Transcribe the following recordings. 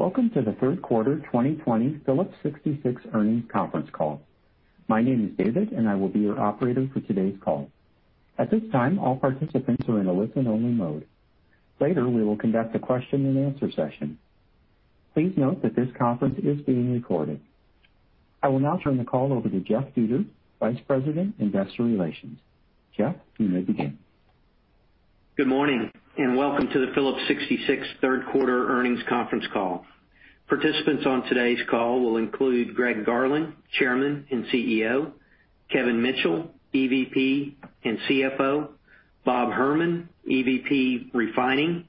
Welcome to the third quarter 2020 Phillips 66 earnings conference call. My name is David, and I will be your operator for today's call. At this time, all participants are in a listen-only mode. Later, we will conduct a question and answer session. Please note that this conference is being recorded. I will now turn the call over to Jeff Dietert, Vice President, Investor Relations. Jeff, you may begin. Good morning, and welcome to the Phillips 66 third quarter earnings conference call. Participants on today's call will include Greg Garland, Chairman and CEO, Kevin Mitchell, EVP and CFO, Bob Herman, EVP Refining,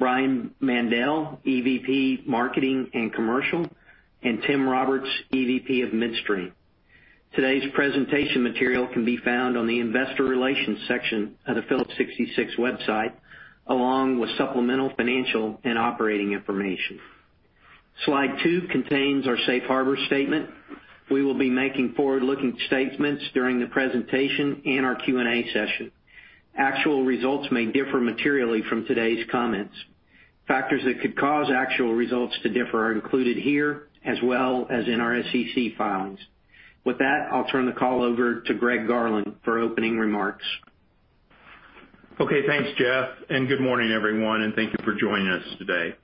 Brian Mandell, EVP Marketing and Commercial, and Tim Roberts, EVP of Midstream. Today's presentation material can be found on the investor relations section of the Phillips 66 website, along with supplemental financial and operating information. Slide two contains our safe harbor statement. We will be making forward-looking statements during the presentation and our Q&A session. Actual results may differ materially from today's comments. Factors that could cause actual results to differ are included here, as well as in our SEC filings. With that, I'll turn the call over to Greg Garland for opening remarks. Okay, thanks, Jeff. Good morning, everyone. Thank you for joining us today.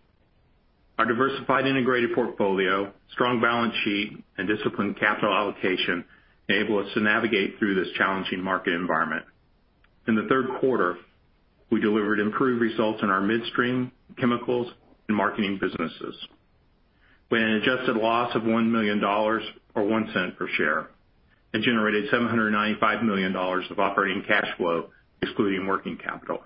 Our diversified, integrated portfolio, strong balance sheet, and disciplined capital allocation enable us to navigate through this challenging market environment. In the third quarter, we delivered improved results in our midstream, chemicals, and marketing businesses. We had an adjusted loss of $1 million, or $0.01 per share, generated $795 million of operating cash flow, excluding working capital.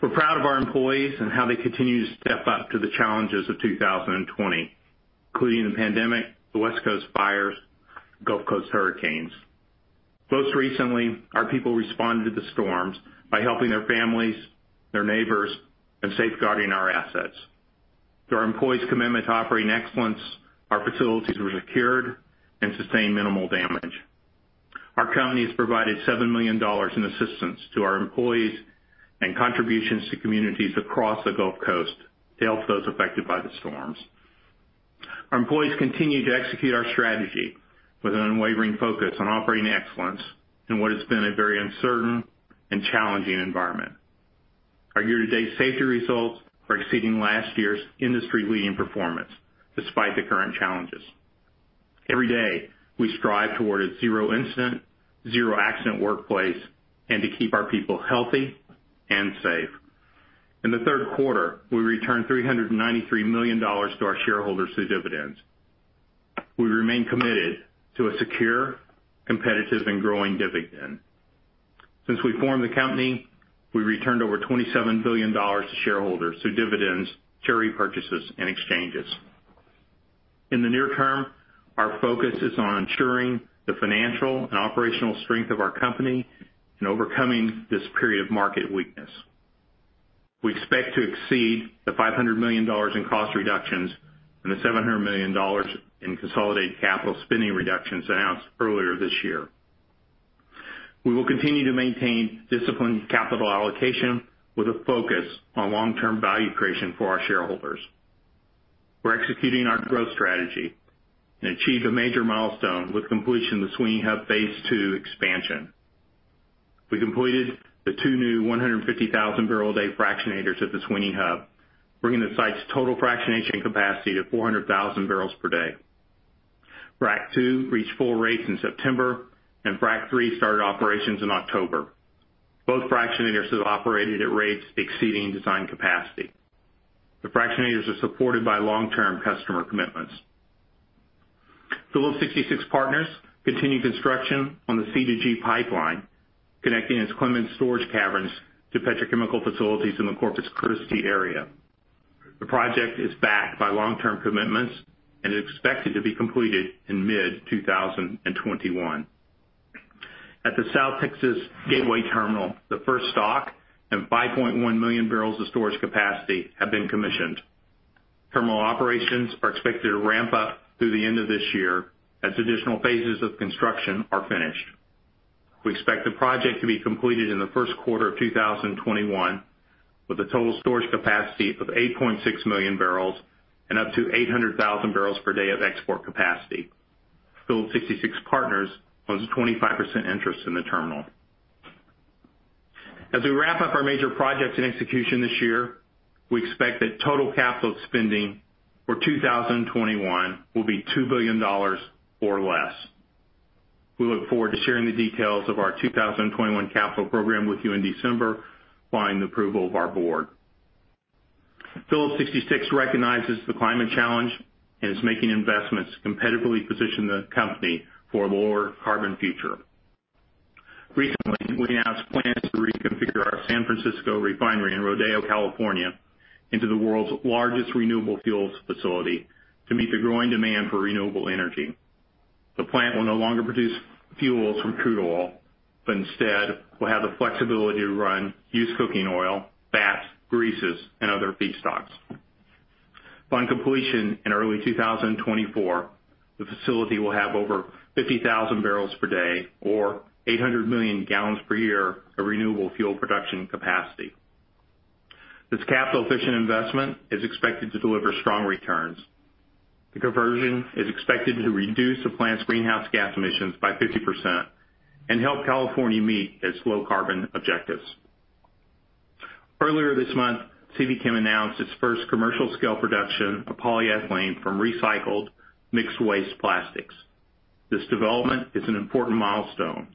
We're proud of our employees and how they continue to step up to the challenges of 2020, including the pandemic, the West Coast fires, Gulf Coast hurricanes. Most recently, our people responded to the storms by helping their families, their neighbors, and safeguarding our assets. Through our employees' commitment to operating excellence, our facilities were secured and sustained minimal damage. Our company has provided $7 million in assistance to our employees and contributions to communities across the Gulf Coast to help those affected by the storms. Our employees continue to execute our strategy with an unwavering focus on operating excellence in what has been a very uncertain and challenging environment. Our year-to-date safety results are exceeding last year's industry-leading performance, despite the current challenges. Every day, we strive toward a zero-incident, zero-accident workplace and to keep our people healthy and safe. In the third quarter, we returned $393 million to our shareholders through dividends. We remain committed to a secure, competitive, and growing dividend. Since we formed the company, we returned over $27 billion to shareholders through dividends, share repurchases, and exchanges. In the near term, our focus is on ensuring the financial and operational strength of our company in overcoming this period of market weakness. We expect to exceed the $500 million in cost reductions and the $700 million in consolidated capital spending reductions announced earlier this year. We will continue to maintain disciplined capital allocation with a focus on long-term value creation for our shareholders. We're executing our growth strategy and achieved a major milestone with completion of the Sweeny Hub Phase 2 expansion. We completed the two new 150,000-barrel-a-day fractionators at the Sweeny Hub, bringing the site's total fractionation capacity to 400,000 barrels per day. Frac 2 reached full rates in September, and Frac 3 started operations in October. Both fractionators have operated at rates exceeding design capacity. The fractionators are supported by long-term customer commitments. Phillips 66 Partners continued construction on the C2G pipeline, connecting its Clemens storage caverns to petrochemical facilities in the Corpus Christi area. The project is backed by long-term commitments and is expected to be completed in mid-2021. At the South Texas Gateway Terminal, the first dock and 5.1 million barrels of storage capacity have been commissioned. Terminal operations are expected to ramp up through the end of this year as additional phases of construction are finished. We expect the project to be completed in the first quarter of 2021, with a total storage capacity of 8.6 million barrels and up to 800,000 barrels per day of export capacity. Phillips 66 Partners owns a 25% interest in the terminal. As we wrap up our major projects in execution this year, we expect that total capital spending for 2021 will be $2 billion or less. We look forward to sharing the details of our 2021 capital program with you in December following the approval of our board. Phillips 66 recognizes the climate challenge and is making investments to competitively position the company for a lower carbon future. Recently, we announced plans to reconfigure our San Francisco refinery in Rodeo, California, into the world's largest renewable fuels facility to meet the growing demand for renewable energy. The plant will no longer produce fuels from crude oil, but instead will have the flexibility to run used cooking oil, fats, greases, and other feedstocks. Upon completion in early 2024. The facility will have over 50,000 barrels per day or 800 million gallons per year of renewable fuel production capacity. This capital-efficient investment is expected to deliver strong returns. The conversion is expected to reduce the plant's greenhouse gas emissions by 50% and help California meet its low carbon objectives. Earlier this month, CPChem announced its first commercial scale production of polyethylene from recycled mixed waste plastics. This development is an important milestone,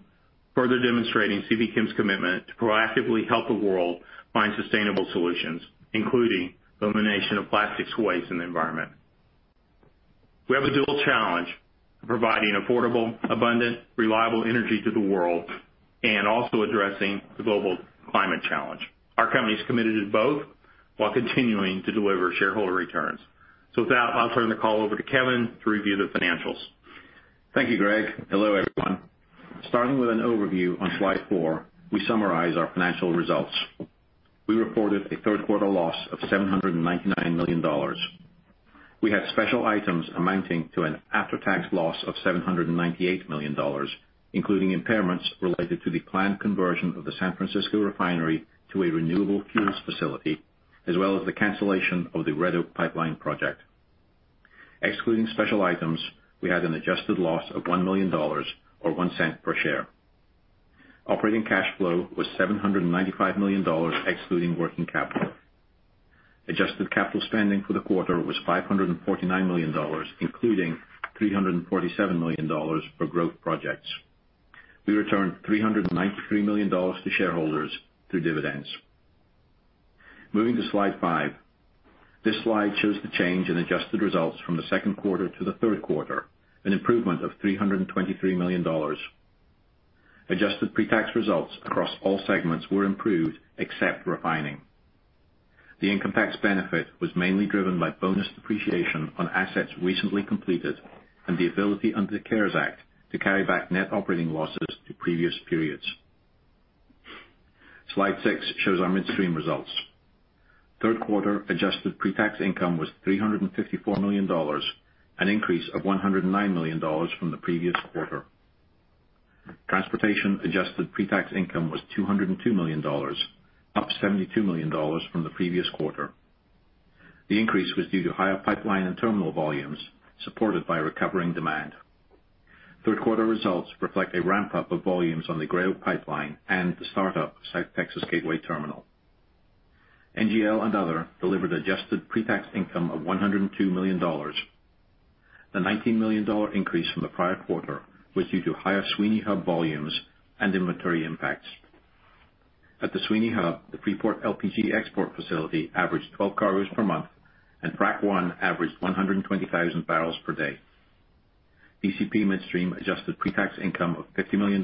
further demonstrating CPChem's commitment to proactively help the world find sustainable solutions, including the elimination of plastics waste in the environment. We have a dual challenge of providing affordable, abundant, reliable energy to the world and also addressing the global climate challenge. Our company is committed to both while continuing to deliver shareholder returns. With that, I'll turn the call over to Kevin to review the financials. Thank you, Greg. Hello, everyone. Starting with an overview on slide four, we summarize our financial results. We reported a third quarter loss of $799 million. We had special items amounting to an after-tax loss of $798 million, including impairments related to the planned conversion of the San Francisco Refinery to a renewable fuels facility, as well as the cancellation of the Red Oak Pipeline Project. Excluding special items, we had an adjusted loss of $1 million or $0.01 per share. Operating cash flow was $795 million excluding working capital. Adjusted capital spending for the quarter was $549 million, including $347 million for growth projects. We returned $393 million to shareholders through dividends. Moving to slide five. This slide shows the change in adjusted results from the second quarter to the third quarter, an improvement of $323 million. Adjusted pre-tax results across all segments were improved except refining. The income tax benefit was mainly driven by bonus depreciation on assets recently completed and the ability under the CARES Act to carry back net operating losses to previous periods. Slide six shows our midstream results. Third quarter adjusted pre-tax income was $354 million, an increase of $109 million from the previous quarter. Transportation adjusted pre-tax income was $202 million, up $72 million from the previous quarter. The increase was due to higher pipeline and terminal volumes, supported by recovering demand. Third quarter results reflect a ramp-up of volumes on the Gray Oak pipeline and the startup of South Texas Gateway Terminal. NGL and other delivered adjusted pre-tax income of $102 million. The $19 million increase from the prior quarter was due to higher Sweeny Hub volumes and inventory impacts. At the Sweeny Hub, the Freeport LPG export facility averaged 12 carriers per month, and Frac 1 averaged 120,000 barrels per day. DCP Midstream adjusted pre-tax income of $50 million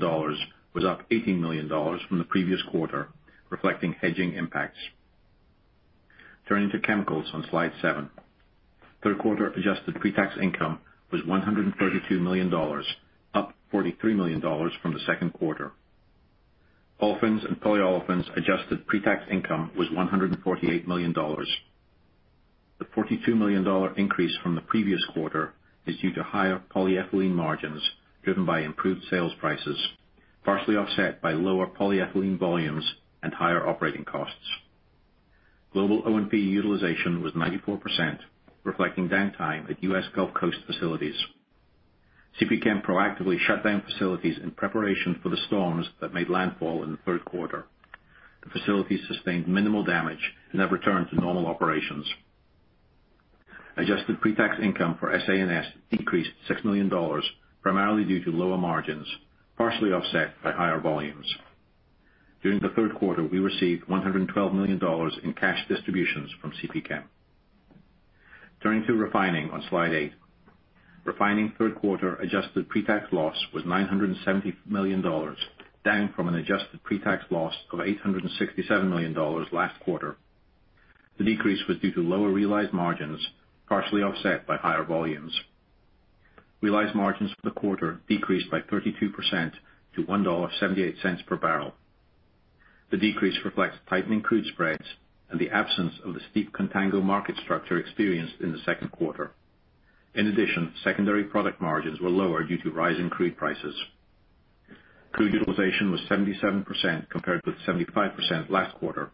was up $18 million from the previous quarter, reflecting hedging impacts. Turning to chemicals on slide seven. Third quarter adjusted pre-tax income was $132 million, up $43 million from the second quarter. Olefins and Polyolefins adjusted pre-tax income was $148 million. The $42 million increase from the previous quarter is due to higher polyethylene margins driven by improved sales prices, partially offset by lower polyethylene volumes and higher operating costs. Global O&P utilization was 94%, reflecting downtime at U.S. Gulf Coast facilities. CPChem proactively shut down facilities in preparation for the storms that made landfall in the third quarter. The facilities sustained minimal damage and have returned to normal operations. Adjusted pre-tax income for SA&S decreased $6 million, primarily due to lower margins, partially offset by higher volumes. During the third quarter, we received $112 million in cash distributions from CPChem. Turning to refining on slide eight. Refining third quarter adjusted pre-tax loss was $970 million, down from an adjusted pre-tax loss of $867 million last quarter. The decrease was due to lower realized margins, partially offset by higher volumes. Realized margins for the quarter decreased by 32% to $1.78 per barrel. The decrease reflects tightening crude spreads and the absence of the steep contango market structure experienced in the second quarter. In addition, secondary product margins were lower due to rising crude prices. Crude utilization was 77%, compared with 75% last quarter.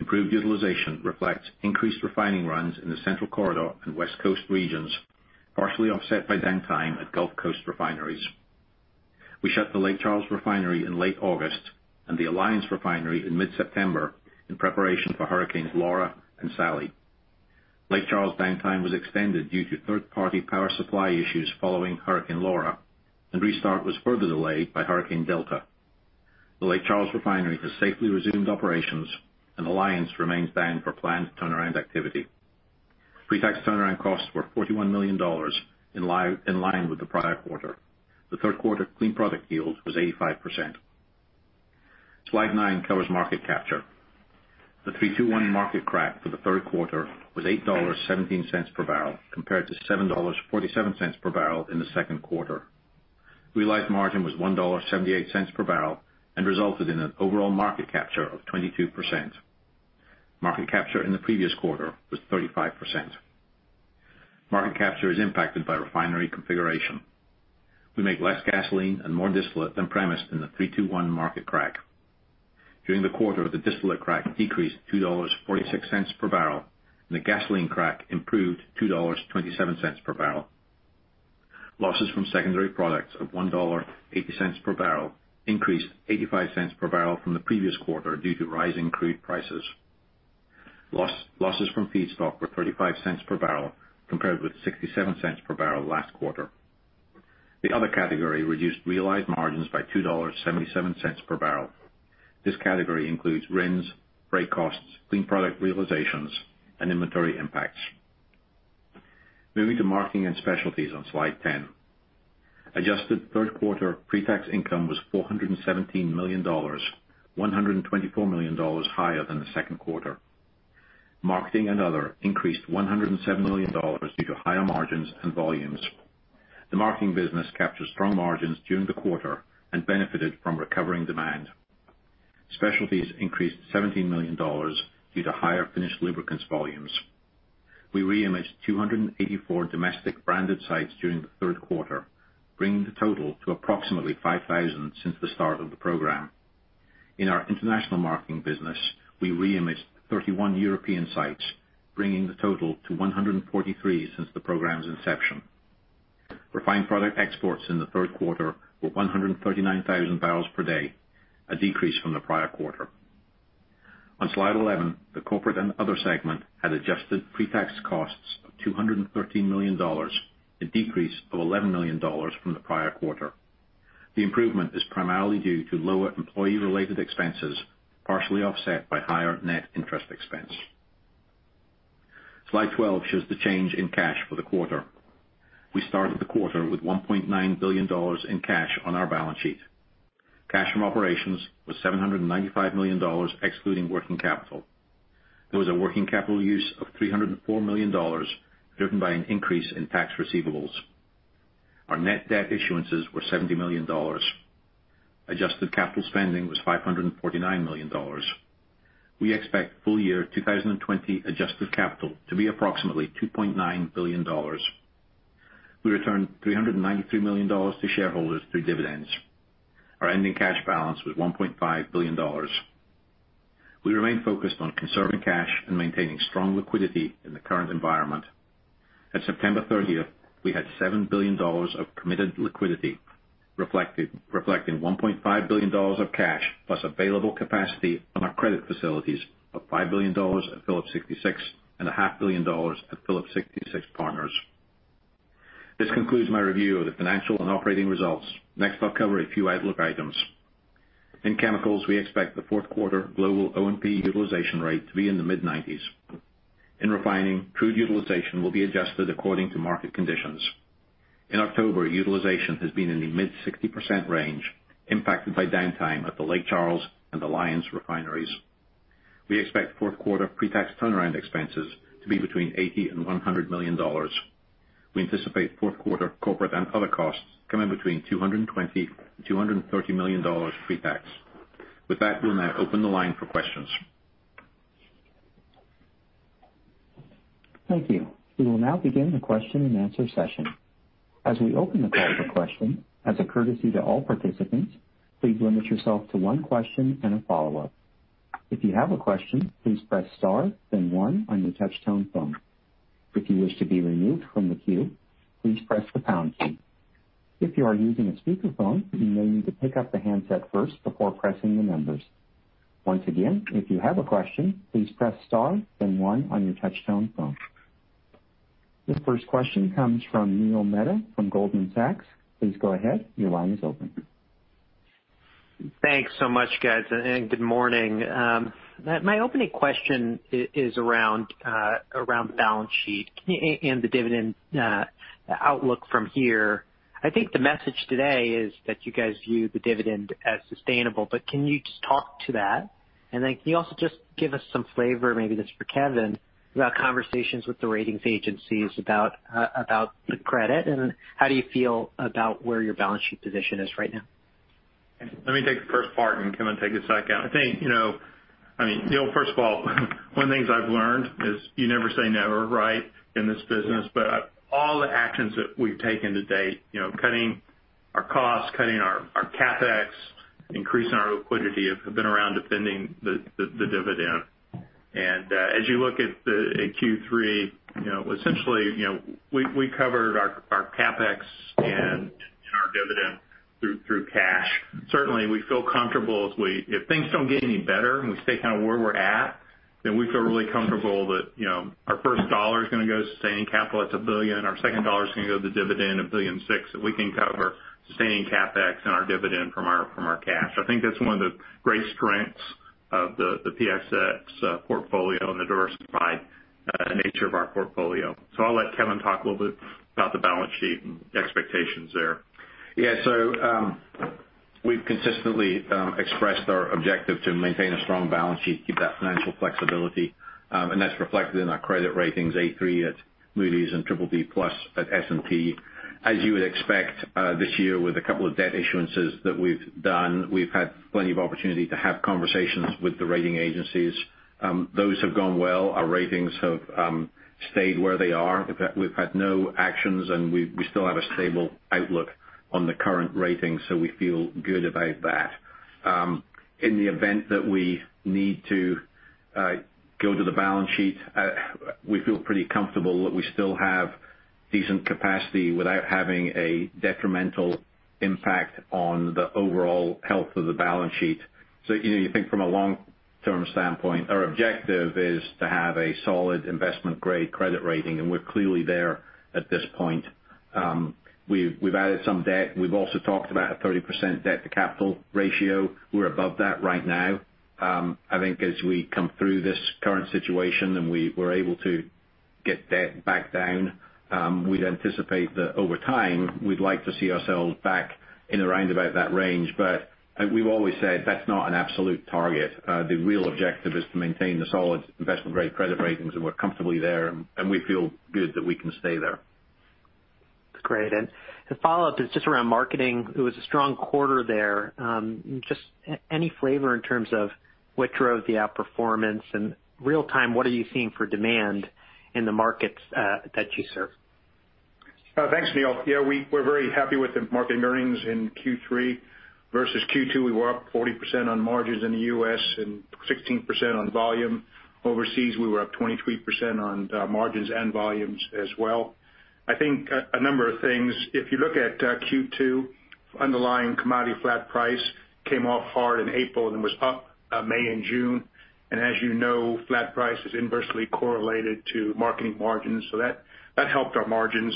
Improved utilization reflects increased refining runs in the central corridor and West Coast regions, partially offset by downtime at Gulf Coast refineries. We shut the Lake Charles refinery in late August and the Alliance refinery in mid-September in preparation for Hurricane Laura and Hurricane Sally. Lake Charles downtime was extended due to third-party power supply issues following Hurricane Laura, and restart was further delayed by Hurricane Delta. The Lake Charles refinery has safely resumed operations, and Alliance remains down for planned turnaround activity. Pre-tax turnaround costs were $41 million, in line with the prior quarter. The third quarter clean product yield was 85%. Slide nine covers market capture. The 3-2-1 market crack for the third quarter was $8.17 per barrel, compared to $7.47 per barrel in the second quarter. Realized margin was $1.78 per barrel and resulted in an overall market capture of 22%. Market capture in the previous quarter was 35%. Market capture is impacted by refinery configuration. We make less gasoline and more distillate than premised in the 3-2-1 market crack. During the quarter, the distillate crack decreased $2.46 per barrel, and the gasoline crack improved $2.27 per barrel. Losses from secondary products of $1.80 per barrel increased $0.85 per barrel from the previous quarter due to rising crude prices. Losses from feedstock were $0.35 per barrel, compared with $0.67 per barrel last quarter. The other category reduced realized margins by $2.77 per barrel. This category includes RINs, freight costs, clean product realizations, and inventory impacts. Moving to marketing and specialties on slide 10. Adjusted third quarter pre-tax income was $417 million, $124 million higher than the second quarter. Marketing and other increased $107 million due to higher margins and volumes. The marketing business captured strong margins during the quarter and benefited from recovering demand. Specialties increased $17 million due to higher finished lubricants volumes. We reimaged 284 domestic branded sites during the third quarter, bringing the total to approximately 5,000 since the start of the program. In our international marketing business, we reimaged 31 European sites, bringing the total to 143 since the program's inception. Refined product exports in the third quarter were 139,000 barrels per day, a decrease from the prior quarter. On slide 11, the corporate and other segment had adjusted pre-tax costs of $213 million, a decrease of $11 million from the prior quarter. The improvement is primarily due to lower employee-related expenses, partially offset by higher net interest expense. Slide 12 shows the change in cash for the quarter. We started the quarter with $1.9 billion in cash on our balance sheet. Cash from operations was $795 million, excluding working capital. There was a working capital use of $304 million, driven by an increase in tax receivables. Our net debt issuances were $70 million. Adjusted capital spending was $549 million. We expect full year 2020 adjusted capital to be approximately $2.9 billion. We returned $393 million to shareholders through dividends. Our ending cash balance was $1.5 billion. We remain focused on conserving cash and maintaining strong liquidity in the current environment. At September 30th, we had $7 billion of committed liquidity reflecting $1.5 billion of cash, plus available capacity on our credit facilities of $5 billion at Phillips 66 and $500 million at Phillips 66 Partners. This concludes my review of the financial and operating results. Next, I'll cover a few outlook items. In chemicals, we expect the fourth quarter global O&P utilization rate to be in the mid-90s. In refining, crude utilization will be adjusted according to market conditions. In October, utilization has been in the mid-60% range, impacted by downtime at the Lake Charles and Alliance refineries. We expect fourth quarter pre-tax turnaround expenses to be between $80 million and $100 million. We anticipate fourth quarter corporate and other costs coming between $220 million and $230 million pre-tax. We'll now open the line for questions. Thank you. We will now begin the question-and-answer session. As we open the call for question, as a courtesy to all participants, please limit yourself to one question and a follow-up. If you have a question, please press star then one on your touch tone phone. If you wish to be removed from the queue, please press the pound key. If you are using a speakerphone, you may need to pick up the handset first before pressing the numbers. Once again, if you have a question, please press star then one on your touch tone phone. The first question comes from Neil Mehta from Goldman Sachs. Please go ahead. Your line is open. Thanks so much, guys. Good morning. My opening question is around balance sheet and the dividend outlook from here. I think the message today is that you guys view the dividend as sustainable, can you just talk to that? Can you also just give us some flavor, maybe this is for Kevin, about conversations with the ratings agencies about the credit, and how do you feel about where your balance sheet position is right now? Let me take the first part, and Kevin, take the second. I think, first of all one of the things I've learned is you never say never, right? In this business. All the actions that we've taken to date, cutting our costs, cutting our CapEx, increasing our liquidity, have been around defending the dividend. As you look at Q3, essentially, we covered our CapEx and our dividend through cash. Certainly, we feel comfortable if things don't get any better, and we stay kind of where we're at, then we feel really comfortable that our first dollar is going to go to sustaining capital. That's $1 billion. Our second dollar is going to go to the dividend, $1.6 billion that we can cover sustaining CapEx and our dividend from our cash. I think that's one of the great strengths of the PSX portfolio and the diversified nature of our portfolio. I'll let Kevin talk a little bit about the balance sheet and expectations there. We've consistently expressed our objective to maintain a strong balance sheet, keep that financial flexibility. And that's reflected in our credit ratings, A3 at Moody's and BBB+ at S&P. As you would expect, this year, with a couple of debt issuances that we've done, we've had plenty of opportunity to have conversations with the rating agencies. Those have gone well. Our ratings have stayed where they are. We've had no actions, and we still have a stable outlook on the current rating, we feel good about that. In the event that we need to go to the balance sheet, we feel pretty comfortable that we still have decent capacity without having a detrimental impact on the overall health of the balance sheet. You think from a long-term standpoint, our objective is to have a solid investment-grade credit rating, and we're clearly there at this point. We've added some debt. We've also talked about a 30% debt-to-capital ratio. We're above that right now. I think as we come through this current situation and we're able to get debt back down, we'd anticipate that over time, we'd like to see ourselves back in around about that range. We've always said that's not an absolute target. The real objective is to maintain the solid investment-grade credit ratings, and we're comfortably there, and we feel good that we can stay there. That's great. The follow-up is just around marketing. It was a strong quarter there. Just any flavor in terms of what drove the outperformance, and real-time, what are you seeing for demand in the markets that you serve? Thanks, Neil. Yeah, we're very happy with the marketing earnings in Q3 versus Q2. We were up 40% on margins in the U.S. and 16% on volume. Overseas, we were up 23% on margins and volumes as well. I think a number of things. If you look at Q2, underlying commodity flat price came off hard in April and then was up May and June. As you know, flat price is inversely correlated to marketing margins. That helped our margins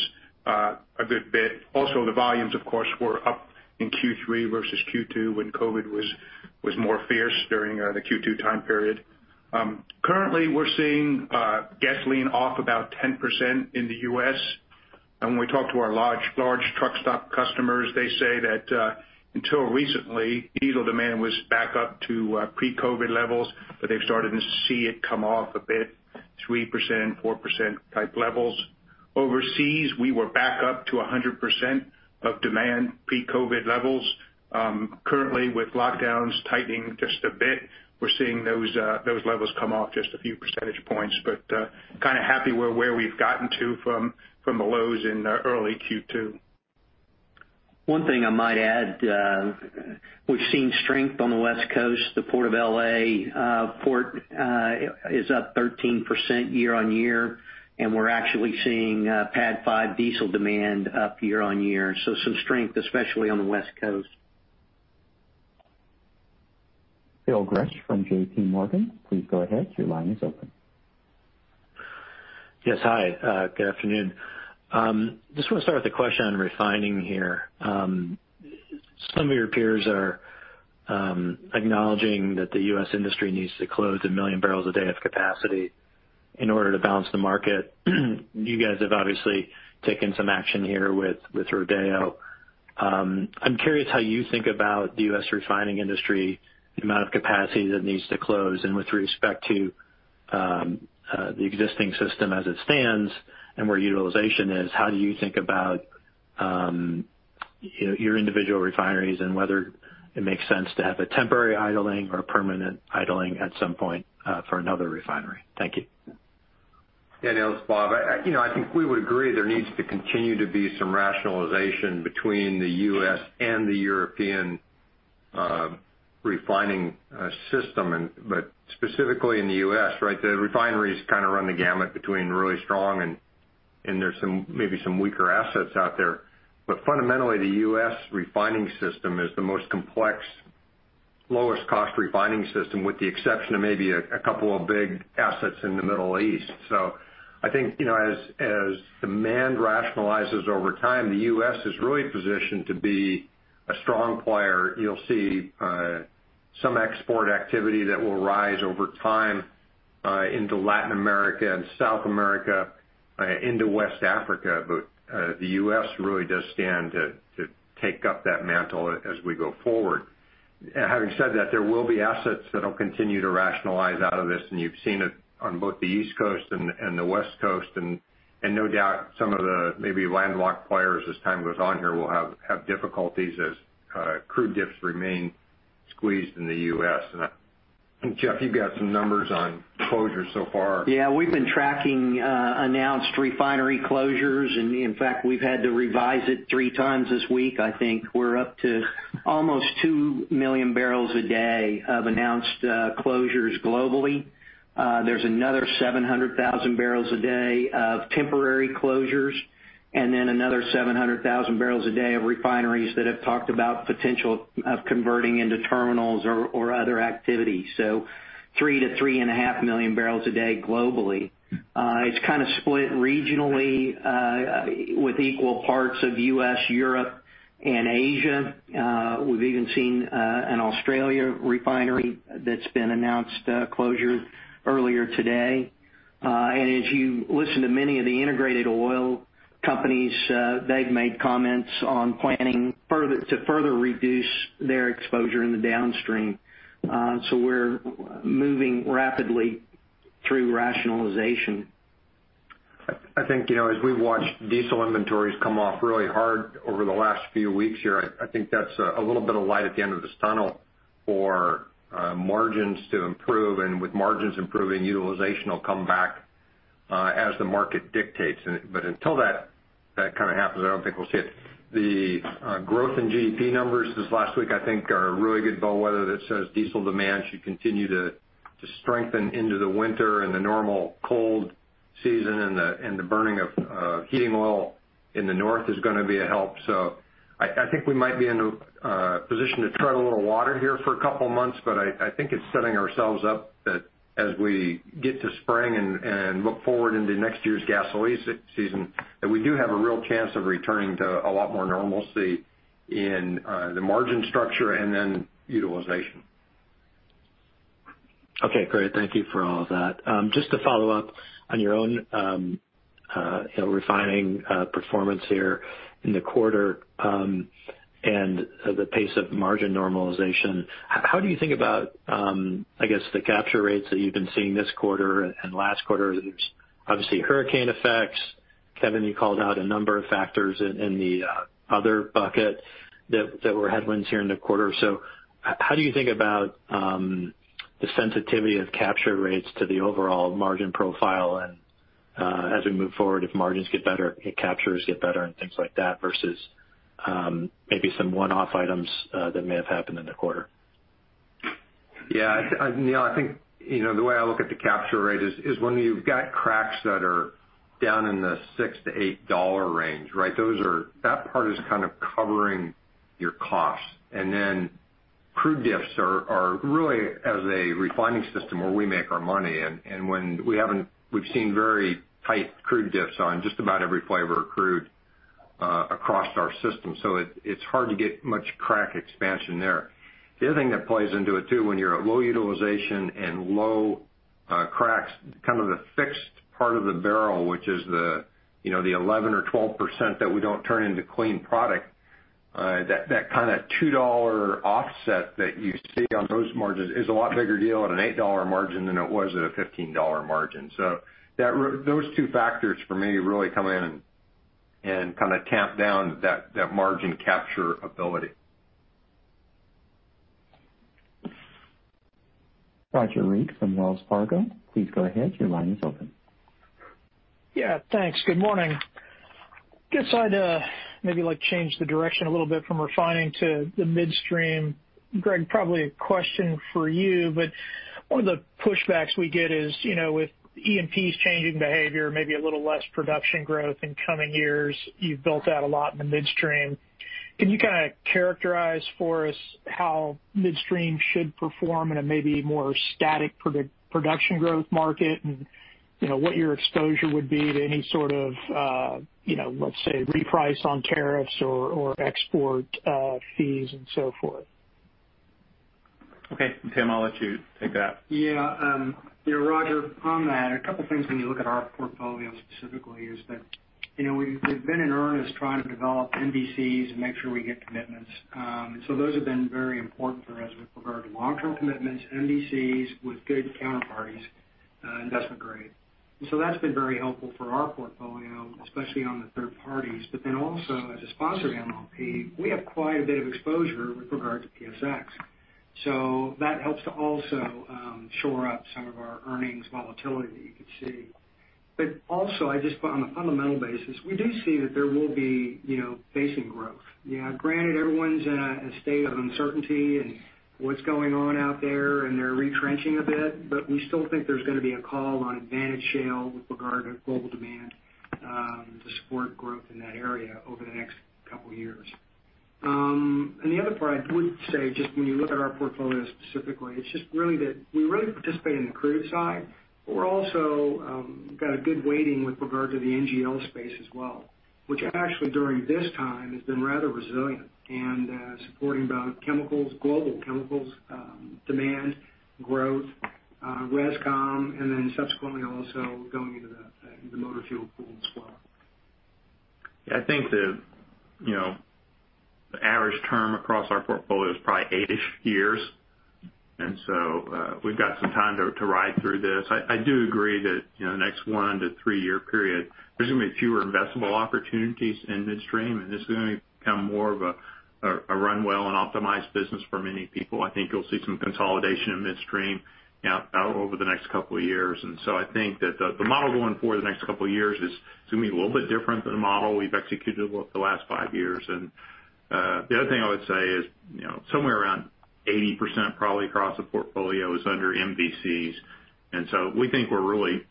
a good bit. Also, the volumes, of course, were up in Q3 versus Q2 when COVID was more fierce during the Q2 time period. Currently, we're seeing gasoline off about 10% in the U.S. When we talk to our large truck stop customers, they say that until recently, diesel demand was back up to pre-COVID levels, but they've started to see it come off a bit, 3%, 4% type levels. Overseas, we were back up to 100% of demand pre-COVID levels. Currently, with lockdowns tightening just a bit, we're seeing those levels come off just a few percentage points. Kind of happy where we've gotten to from the lows in early Q2. One thing I might add, we've seen strength on the West Coast. The Port of L.A. is up 13% year-on-year, and we're actually seeing PADD 5 diesel demand up year-on-year. Some strength, especially on the West Coast. Phil Gresh from JPMorgan, please go ahead. Your line is open. Yes. Hi, good afternoon. Just want to start with a question on refining here. Some of your peers are acknowledging that the U.S. industry needs to close 1 million barrels a day of capacity in order to balance the market. You guys have obviously taken some action here with Rodeo. I'm curious how you think about the U.S. refining industry, the amount of capacity that needs to close, and with respect to the existing system as it stands and where utilization is. How do you think about your individual refineries and whether it makes sense to have a temporary idling or a permanent idling at some point for another refinery? Thank you. Yeah Phil. It's Bob, I think we would agree there needs to continue to be some rationalization between the U.S. and the European refining system. Specifically in the U.S., the refineries kind of run the gamut between really strong and there's maybe some weaker assets out there. Fundamentally, the U.S. refining system is the most complex, lowest cost refining system, with the exception of maybe a couple of big assets in the Middle East. I think, as demand rationalizes over time, the U.S. is really positioned to be a strong player. You'll see some export activity that will rise over time into Latin America and South America, into West Africa. The U.S. really does stand to take up that mantle as we go forward. Having said that, there will be assets that'll continue to rationalize out of this, you've seen it on both the East Coast and the West Coast, no doubt some of the maybe landlocked players as time goes on here will have difficulties as crude dips remain squeezed in the U.S. Jeff, you've got some numbers on closures so far. Yeah, we've been tracking announced refinery closures, and in fact, we've had to revise it three times this week. I think we're up to almost 2 million barrels a day of announced closures globally. There's another 700,000 barrels a day of temporary closures and then another 700,000 barrels a day of refineries that have talked about potential of converting into terminals or other activities. 3 million-3.5 million barrels a day globally. It's kind of split regionally with equal parts of U.S., Europe, and Asia. We've even seen an Australia refinery that's been announced closure earlier today. As you listen to many of the integrated oil companies, they've made comments on planning to further reduce their exposure in the downstream. We're moving rapidly through rationalization. I think, as we've watched diesel inventories come off really hard over the last few weeks here, I think that's a little bit of light at the end of this tunnel for margins to improve. With margins improving, utilization will come back, as the market dictates. Until that kind of happens, I don't think we'll see it. The growth in GDP numbers this last week, I think, are really good bellwether that says diesel demand should continue to strengthen into the winter and the normal cold season and the burning of heating oil in the north is going to be a help. I think we might be in a position to tread a little water here for a couple of months, but I think it's setting ourselves up that as we get to spring and look forward into next year's gasoline season, that we do have a real chance of returning to a lot more normalcy in the margin structure and then utilization. Okay, great. Thank you for all of that. Just to follow up on your own refining performance here in the quarter, and the pace of margin normalization. How do you think about, I guess, the capture rates that you've been seeing this quarter and last quarter? There's obviously hurricane effects. Kevin, you called out a number of factors in the other bucket that were headwinds here in the quarter. How do you think about the sensitivity of capture rates to the overall margin profile? As we move forward, if margins get better, if captures get better and things like that, versus maybe some one-off items that may have happened in the quarter? Yeah. Phil, I think the way I look at the capture rate is when you've got cracks that are down in the $6 to $8 range, right? That part is kind of covering your costs. Crude diffs are really as a refining system where we make our money. We've seen very tight crude diffs on just about every flavor of crude, across our system. It's hard to get much crack expansion there. The other thing that plays into it too, when you're at low utilization and low cracks, kind of the fixed part of the barrel, which is the 11 or 12% that we don't turn into clean product, that kind of $2 offset that you see on those margins is a lot bigger deal at an $8 margin than it was at a $15 margin. Those two factors for me really come in and kind of tamp down that margin capture ability. Roger Read from Wells Fargo. Please go ahead. Your line is open. Yeah, thanks. Good morning. Guess I'd maybe like to change the direction a little bit from refining to the midstream. Greg, probably a question for you, but one of the pushbacks we get is, with E&P's changing behavior, maybe a little less production growth in coming years. You've built out a lot in the midstream. Can you kind of characterize for us how midstream should perform in a maybe more static production growth market and what your exposure would be to any sort of, let's say, reprice on tariffs or export fees and so forth? Okay. Tim, I'll let you take that. Roger, on that, a couple of things when you look at our portfolio specifically is that, we've been in earnest trying to develop MVCs and make sure we get commitments. Those have been very important for us with regard to long-term commitments, MVCs with good counterparties, investment grade. That's been very helpful for our portfolio, especially on the third parties. Then also as a sponsored MLP, we have quite a bit of exposure with regard to PSX. That helps to also shore up some of our earnings volatility that you could see. Also, just on a fundamental basis, we do see that there will be basin growth. Granted, everyone's in a state of uncertainty and what's going on out there, and they're retrenching a bit. We still think there's going to be a call on advantage shale with regard to global demand, to support growth in that area over the next couple of years. The other part I would say, just when you look at our portfolio specifically, it's just really that we really participate in the crude side, but we're also got a good weighting with regard to the NGL space as well, which actually, during this time, has been rather resilient and supporting both chemicals, global chemicals demand growth, res com, and then subsequently also going into the motor fuel pool as well. I think the average term across our portfolio is probably eight-ish years. We've got some time to ride through this. I do agree that the next one to three-year period, there's going to be fewer investable opportunities in midstream, and this is going to become more of a run well and optimized business for many people. I think you'll see some consolidation in midstream over the next couple of years. I think that the model going forward the next couple of years is going to be a little bit different than the model we've executed over the last five years. The other thing I would say is somewhere around 80% probably across the portfolio is under MVCs. We think we're really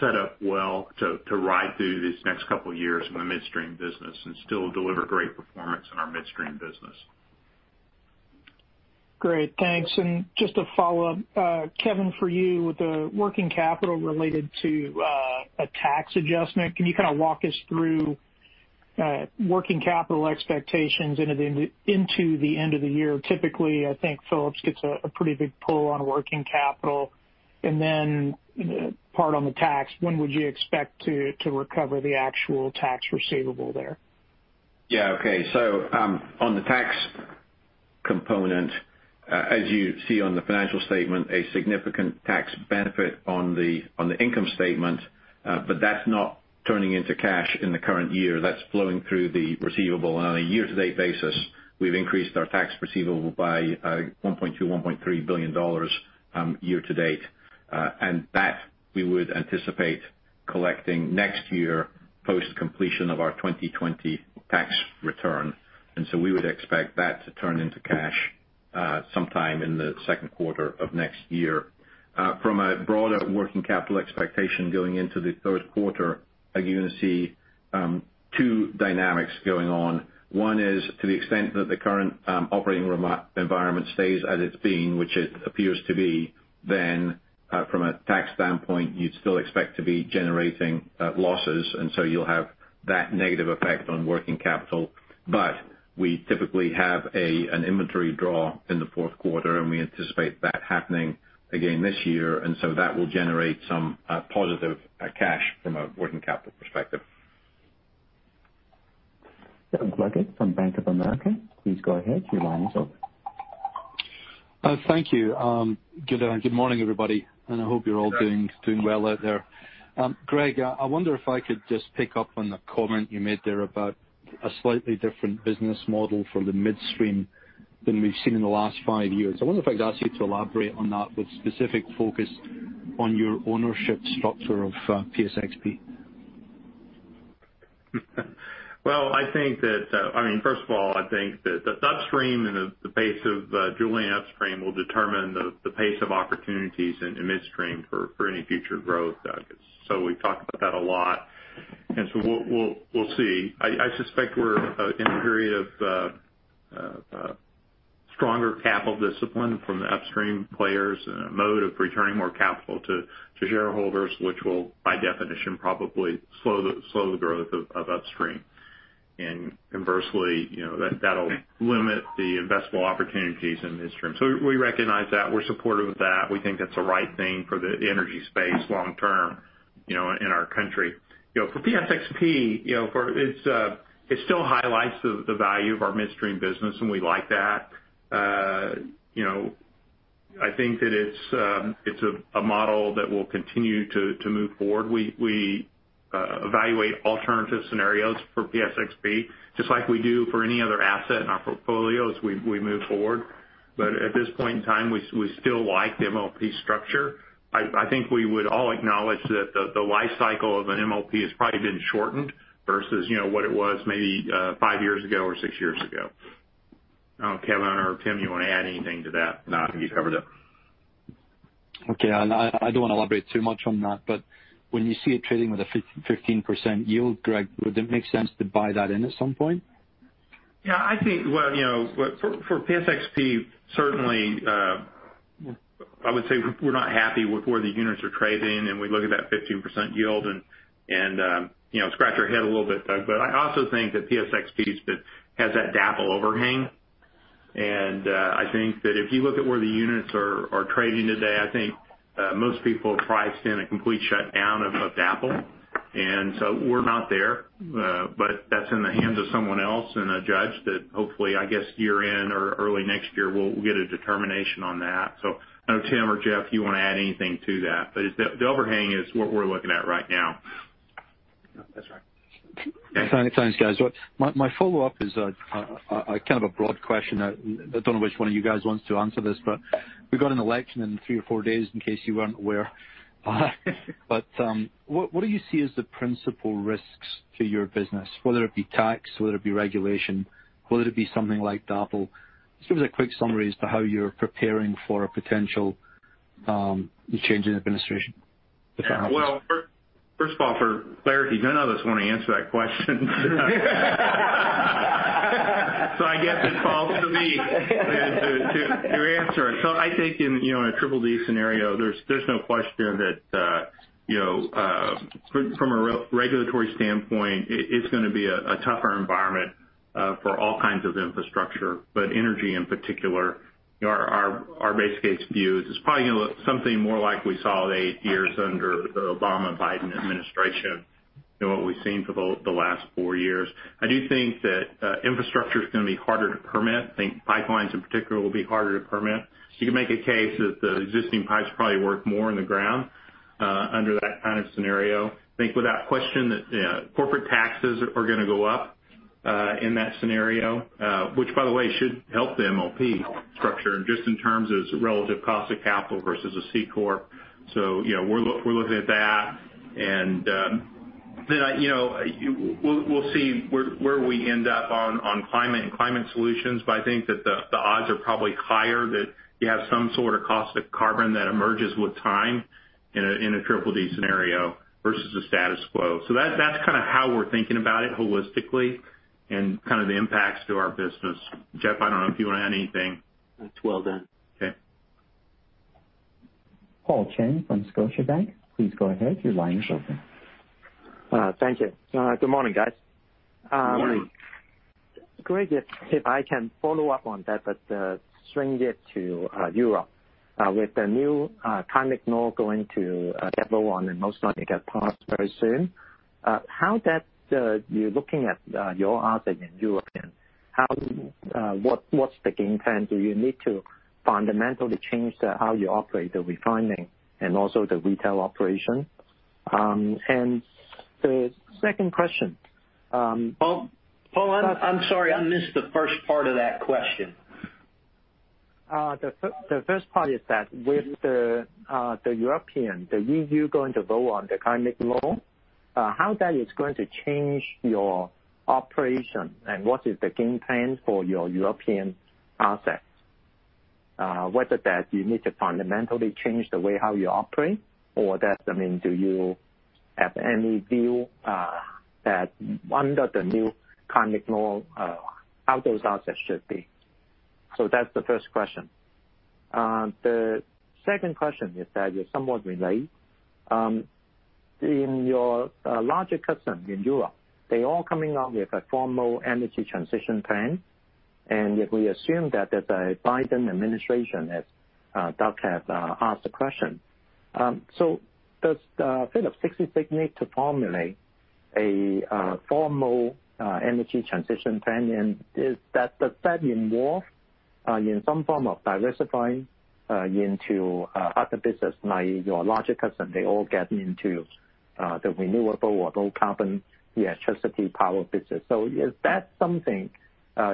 set up well to ride through these next couple of years in the midstream business and still deliver great performance in our midstream business. Great. Thanks. Just to follow up, Kevin, for you, with the working capital related to a tax adjustment, can you kind of walk us through working capital expectations into the end of the year? Typically, I think Phillips gets a pretty big pull on working capital. The part on the tax, when would you expect to recover the actual tax receivable there? Okay. On the tax component, as you see on the financial statement, a significant tax benefit on the income statement, that's not turning into cash in the current year. That's flowing through the receivable. On a year-to-date basis, we've increased our tax receivable by $1.2, $1.3 billion year to date. That we would anticipate collecting next year post-completion of our 2020 tax return. We would expect that to turn into cash sometime in the second quarter of next year. From a broader working capital expectation going into the third quarter, you're going to see two dynamics going on. One is, to the extent that the current operating environment stays as it's been, which it appears to be, from a tax standpoint, you'd still expect to be generating losses, you'll have that negative effect on working capital. We typically have an inventory draw in the fourth quarter, and we anticipate that happening again this year. That will generate some positive cash from a working capital perspective. Doug Leggate from Bank of America, please go ahead. Your line is open. Thank you. Good morning, everybody. I hope you're all doing well out there. Greg, I wonder if I could just pick up on the comment you made there about a slightly different business model for the midstream than we've seen in the last five years. I wonder if I could ask you to elaborate on that with specific focus on your ownership structure of PSXP. First of all, I think that the upstream and the pace of drilling upstream will determine the pace of opportunities in midstream for any future growth, Doug. We've talked about that a lot. We'll see. I suspect we're in a period of stronger capital discipline from the upstream players and a mode of returning more capital to shareholders, which will, by definition, probably slow the growth of upstream. Conversely, that'll limit the investable opportunities in midstream. We recognize that. We're supportive of that. We think that's the right thing for the energy space long-term in our country. For PSXP, it still highlights the value of our midstream business, and we like that. I think that it's a model that will continue to move forward. We evaluate alternative scenarios for PSXP just like we do for any other asset in our portfolio as we move forward. At this point in time, we still like the MLP structure. I think we would all acknowledge that the life cycle of an MLP has probably been shortened versus what it was maybe five years ago or six years ago. I don't know, Kevin or Tim, you want to add anything to that? No, I think you covered it. Okay. I don't want to elaborate too much on that, but when you see it trading with a 15% yield, Greg, would it make sense to buy that in at some point? Yeah, I think for PSXP, certainly, I would say we're not happy with where the units are trading, and we look at that 15% yield and scratch our head a little bit, Doug. I also think that PSXP has that DAPL overhang, and I think that if you look at where the units are trading today, I think most people have priced in a complete shutdown of DAPL. We're not there. That's in the hands of someone else and a judge that hopefully, I guess year-end or early next year, we'll get a determination on that. I don't know, Tim or Jeff, if you want to add anything to that. The overhang is what we're looking at right now. That's right. Thanks, guys. My follow-up is kind of a broad question. I don't know which one of you guys wants to answer this, but we've got an election in three or four days, in case you weren't aware. What do you see as the principal risks to your business, whether it be tax, whether it be regulation, whether it be something like DAPL? Just give us a quick summary as to how you're preparing for a potential change in administration, if that happens. Well, first of all, for clarity, none of us want to answer that question. I guess it falls to me to answer. I think in a triple Blue scenario, there's no question that from a regulatory standpoint, it's going to be a tougher environment for all kinds of infrastructure, but energy in particular. Our base case view is it's probably going to look something more like we saw the eight years under the Obama-Biden administration than what we've seen for the last four years. I do think that infrastructure is going to be harder to permit. I think pipelines in particular will be harder to permit. You could make a case that the existing pipes probably work more in the ground under that kind of scenario. I think without question, that corporate taxes are going to go up in that scenario. Which, by the way, should help the MLP structure just in terms of its relative cost of capital versus a C corp. We're looking at that. We'll see where we end up on climate and climate solutions, but I think that the odds are probably higher that you have some sort of cost of carbon that emerges with time in a triple Blue scenario versus the status quo. That's kind of how we're thinking about it holistically and kind of the impacts to our business. Jeff, I don't know if you want to add anything. That's well done. Okay. Paul Cheng from Scotiabank, please go ahead. Your line is open. Thank you. Good morning, guys. Good morning. Great. If I can follow up on that, but string it to Europe. With the new climate law going to Level 1 and most likely get passed very soon, you're looking at your asset in European, what's the game plan? Do you need to fundamentally change how you operate the refining and also the retail operation? Paul? Paul, I'm sorry, I missed the first part of that question. The first part is that with the European, the EU going to vote on the climate law, how that is going to change your operation and what is the game plan for your European assets? Whether that you need to fundamentally change the way how you operate or that, do you have any view that under the new climate law, how those assets should be? That's the first question. The second question is that, it somewhat relates. In your larger customers in Europe, they all coming out with a formal energy transition plan. If we assume that the Biden administration, as Doug has asked the question, does Phillips 66 need to formulate a formal energy transition plan, and does that involve some form of diversifying into other business, like your larger customers, they all get into the renewable or low carbon electricity power business. Is that something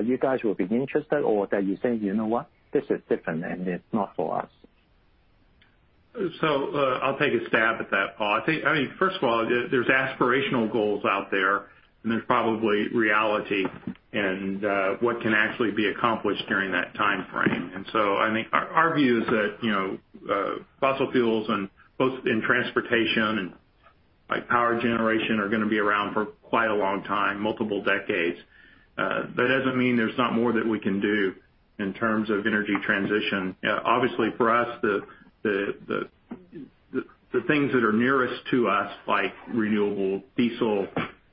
you guys will be interested or that you say, You know what. This is different and it's not for us. I'll take a stab at that, Paul. I think, first of all, there's aspirational goals out there and there's probably reality and what can actually be accomplished during that timeframe. I think our view is that fossil fuels and both in transportation and power generation are going to be around for quite a long time, multiple decades. That doesn't mean there's not more that we can do in terms of energy transition. Obviously, for us, the things that are nearest to us, like renewable diesel,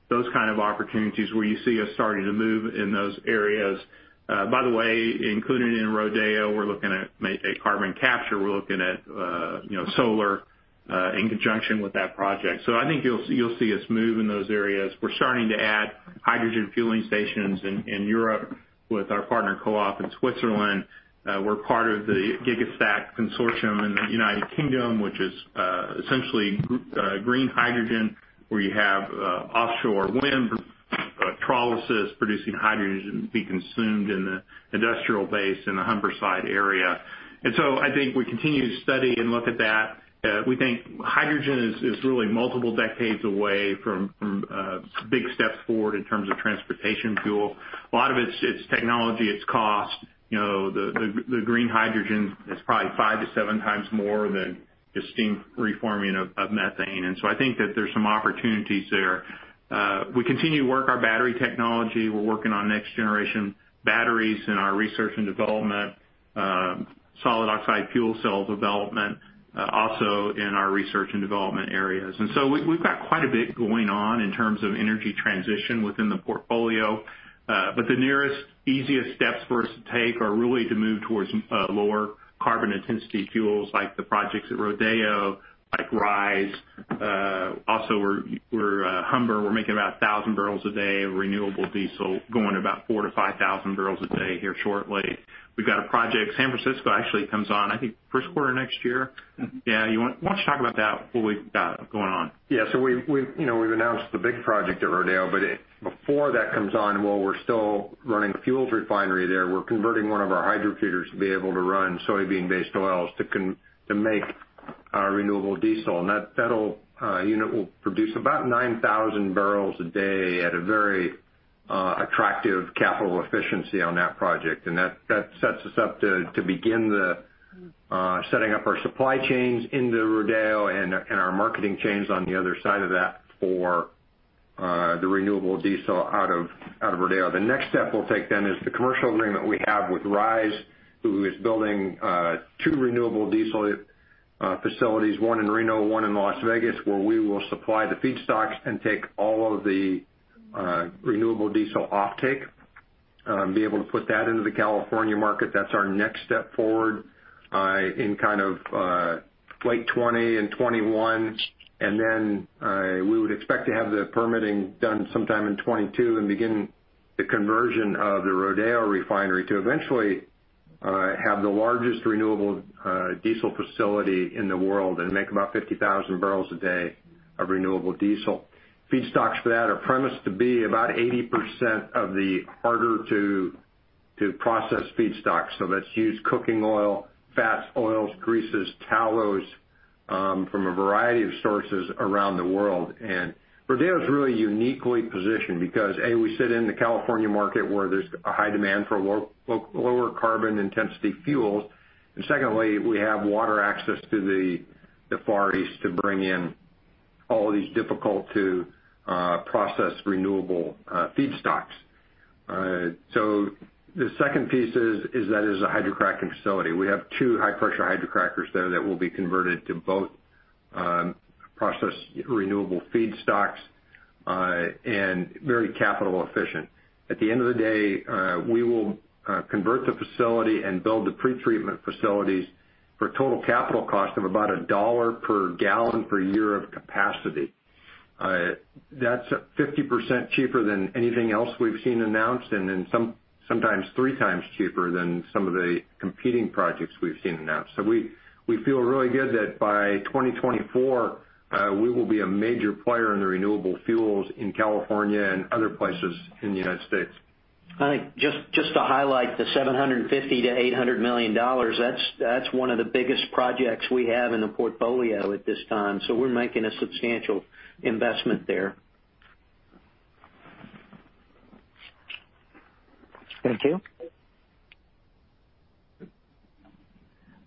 those kind of opportunities where you see us starting to move in those areas. By the way, included in Rodeo, we're looking at maybe carbon capture. We're looking at solar in conjunction with that project. I think you'll see us move in those areas. We're starting to add hydrogen fueling stations in Europe with our partner Coop in Switzerland. We're part of the Gigastack consortium in the United Kingdom, which is essentially green hydrogen, where you have offshore wind electrolysis producing hydrogen to be consumed in the industrial base in the Humberside area. I think we continue to study and look at that. We think hydrogen is really multiple decades away from big steps forward in terms of transportation fuel. A lot of it's technology, it's cost. The green hydrogen is probably five to seven times more than just steam reforming of methane. I think that there's some opportunities there. We continue to work our battery technology. We're working on next generation batteries in our research and development, solid oxide fuel cell development, also in our research and development areas. We've got quite a bit going on in terms of energy transition within the portfolio. The nearest, easiest steps for us to take are really to move towards lower carbon intensity fuels like the projects at Rodeo, like Ryze. Also Humber, we're making about 1,000 barrels a day of renewable diesel, going about 4,000-5,000 barrels a day here shortly. We've got a project, San Francisco actually comes on, I think, first quarter of next year. Yeah, why don't you talk about that, what we've got going on? Yeah. We've announced the big project at Rodeo, but before that comes on, while we're still running the fuels refinery there, we're converting one of our hydrotreaters to be able to run soybean-based oils to make renewable diesel. That unit will produce about 9,000 barrels a day at a very attractive capital efficiency on that project. That sets us up to begin the setting up our supply chains into Rodeo and our marketing chains on the other side of that for the renewable diesel out of Rodeo. The next step we'll take then is the commercial agreement we have with Ryze, who is building two renewable diesel facilities, one in Reno, one in Las Vegas, where we will supply the feedstocks and take all of the renewable diesel offtake, and be able to put that into the California market. That's our next step forward in kind of late 2020 and 2021. We would expect to have the permitting done sometime in 2022 and begin the conversion of the Rodeo refinery to eventually have the largest renewable diesel facility in the world and make about 50,000 barrels a day of renewable diesel. Feedstocks for that are premised to be about 80% of the harder-to-process feedstocks. That's used cooking oil, fats, oils, greases, tallows from a variety of sources around the world. Rodeo is really uniquely positioned because, A, we sit in the California market where there's a high demand for lower carbon intensity fuels. Secondly, we have water access to the Far East to bring in all of these difficult-to-process renewable feedstocks. The second piece is that it is a hydrocracking facility. We have two high-pressure hydrocrackers there that will be converted to both process renewable feedstocks, and very capital efficient. At the end of the day, we will convert the facility and build the pretreatment facilities for a total capital cost of about $1 per gallon per year of capacity. That's 50% cheaper than anything else we've seen announced, and then sometimes three times cheaper than some of the competing projects we've seen announced. We feel really good that by 2024, we will be a major player in the renewable fuels in California and other places in the United States. I think just to highlight the $750 million-$800 million, that's one of the biggest projects we have in the portfolio at this time, so we're making a substantial investment there. Thank you.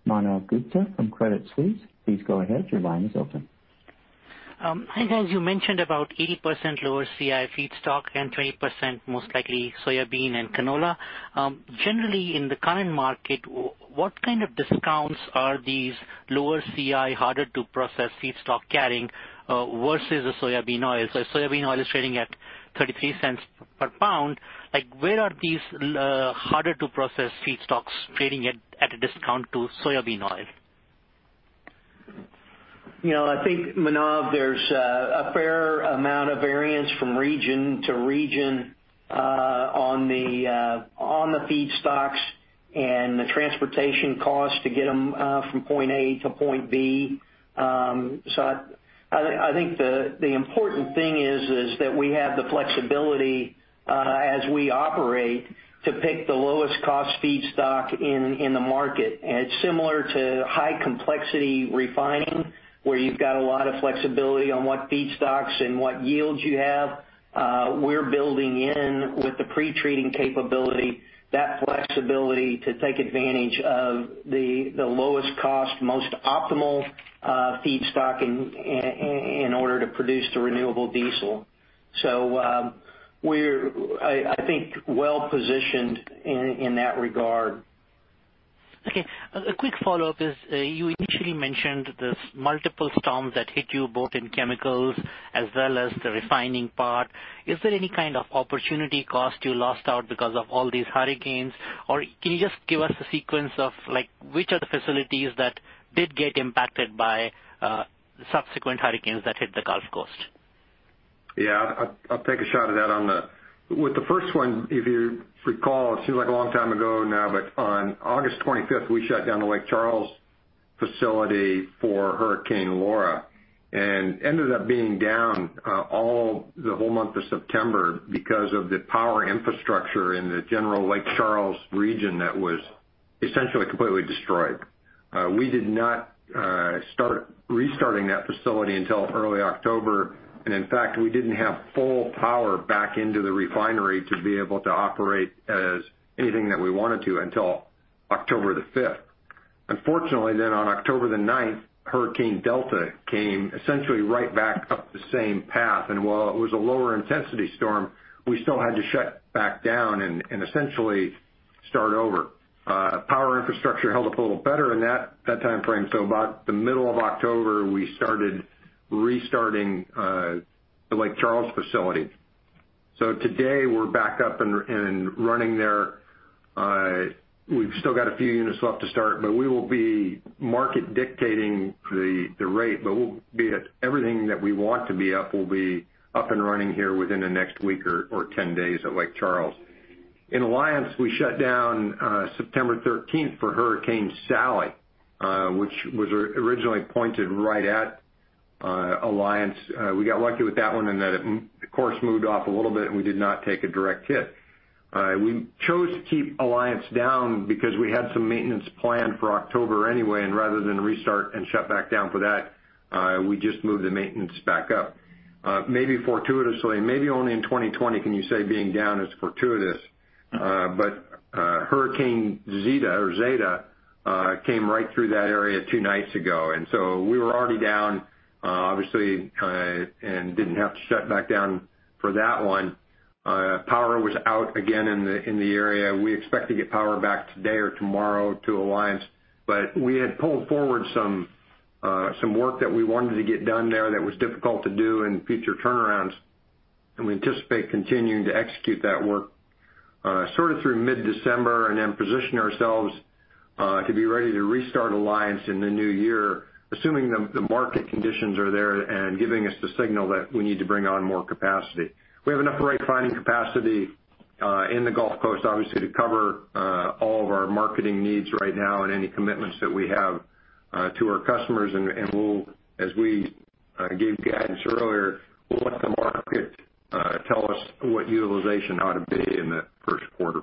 Manav Gupta from Credit Suisse, please go ahead. Your line is open. Hi guys. You mentioned about 80% lower CI feedstock and 20% most likely soybean and canola. Generally, in the current market, what kind of discounts are these lower CI, harder to process feedstock carrying, versus the soybean oil? Soybean oil is trading at $0.33 per pound. Where are these harder to process feedstocks trading at a discount to soybean oil? I think, Manav, there's a fair amount of variance from region to region on the feedstocks and the transportation costs to get them from point A to point B. I think the important thing is that we have the flexibility as we operate to pick the lowest cost feedstock in the market. It's similar to high complexity refining, where you've got a lot of flexibility on what feedstocks and what yields you have. We're building in with the pre-treating capability, that flexibility to take advantage of the lowest cost, most optimal feedstock in order to produce the renewable diesel. We're, I think, well-positioned in that regard. Okay. A quick follow-up is, you initially mentioned this multiple storms that hit you both in chemicals as well as the refining part. Is there any kind of opportunity cost you lost out because of all these hurricanes? Can you just give us a sequence of which are the facilities that did get impacted by subsequent hurricanes that hit the Gulf Coast? Yeah. I'll take a shot at that. With the first one, if you recall, it seems like a long time ago now, but on August 25th, we shut down the Lake Charles facility for Hurricane Laura, and ended up being down all the whole month of September because of the power infrastructure in the general Lake Charles region that was essentially completely destroyed. We did not start restarting that facility until early October. In fact, we didn't have full power back into the refinery to be able to operate as anything that we wanted to until October the 5th. Unfortunately, on October the 9th, Hurricane Delta came essentially right back up the same path. While it was a lower intensity storm, we still had to shut back down and essentially start over. Power infrastructure held up a little better in that timeframe. About the middle of October, we started restarting the Lake Charles facility. Today, we're back up and running there. We've still got a few units left to start, but we will be market dictating the rate, but we'll be at everything that we want to be up will be up and running here within the next week or 10 days at Lake Charles. In Alliance, we shut down September 13th for Hurricane Sally, which was originally pointed right at Alliance. We got lucky with that one in that the course moved off a little bit, and we did not take a direct hit. We chose to keep Alliance down because we had some maintenance planned for October anyway, and rather than restart and shut back down for that, we just moved the maintenance back up. Maybe fortuitously, maybe only in 2020 can you say being down is fortuitous. Hurricane Zeta came right through that area two nights ago, and so we were already down, obviously, and didn't have to shut back down for that one. Power was out again in the area. We expect to get power back today or tomorrow to Alliance. We had pulled forward some work that we wanted to get done there that was difficult to do in future turnarounds, and we anticipate continuing to execute that work sort of through mid-December and then position ourselves to be ready to restart Alliance in the new year, assuming the market conditions are there and giving us the signal that we need to bring on more capacity. We have enough refining capacity in the Gulf Coast, obviously, to cover all of our marketing needs right now and any commitments that we have to our customers and we'll, as we gave guidance earlier, we'll let the market tell us what utilization ought to be in the first quarter.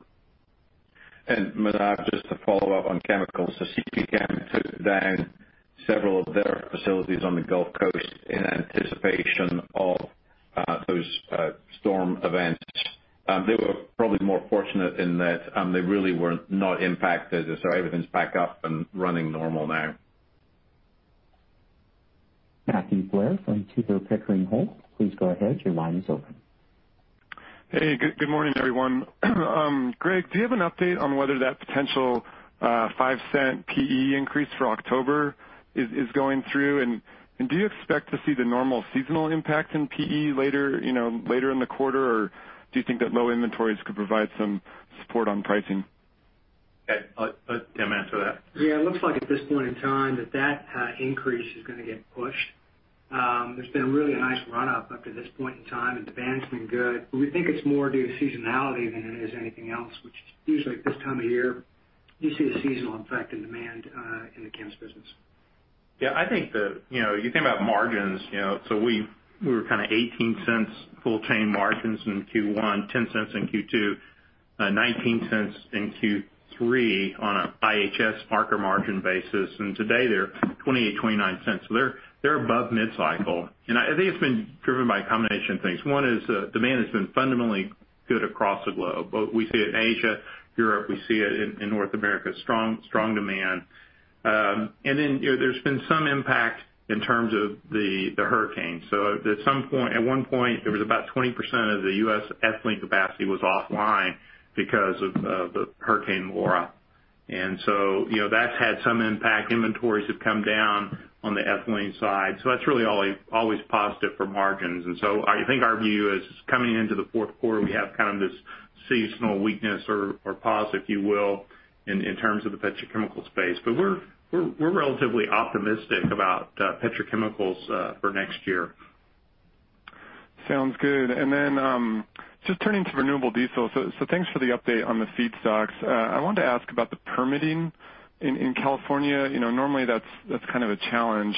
Manav, just to follow up on chemicals. CPChem took down several of their facilities on the Gulf Coast in anticipation of those storm events. They were probably more fortunate in that they really were not impacted. Everything's back up and running normal now. Matthew Blair from Tudor, Pickering, Holt. Please go ahead. Your line is open. Hey, good morning, everyone. Greg, do you have an update on whether that potential $0.05 PE increase for October is going through? Do you expect to see the normal seasonal impact in PE later in the quarter, or do you think that low inventories could provide some support on pricing? Yeah, I'll let Tim answer that? Yeah. It looks like at this point in time that increase is going to get pushed. There's been a really nice run-up up to this point in time, and demand's been good, but we think it's more due to seasonality than it is anything else, which is usually at this time of year, you see the seasonal effect in demand in the chems business. You think about margins, we were kind of $0.18 full chain margins in Q1, $0.10 in Q2, $0.19 in Q3 on an IHS marker margin basis. Today, they're $0.28, $0.29. They're above mid-cycle. I think it's been driven by a combination of things. One is demand has been fundamentally good across the globe. We see it in Asia, Europe, we see it in North America. Strong demand. There's been some impact in terms of the hurricane. At one point, it was about 20% of the U.S. ethylene capacity was offline because of Hurricane Laura. That's had some impact. Inventories have come down on the ethylene side, that's really always positive for margins. I think our view is coming into the fourth quarter, we have kind of this seasonal weakness or pause, if you will, in terms of the petrochemical space. We're relatively optimistic about petrochemicals for next year. Sounds good. Just turning to renewable diesel, thanks for the update on the feedstocks. I wanted to ask about the permitting in California. Normally, that's kind of a challenge.